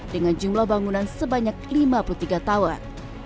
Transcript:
dengan jumlah bangunan sebanyak lima puluh tiga tower